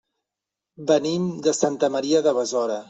Venim de Santa Maria de Besora.